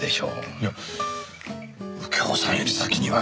いや右京さんより先には。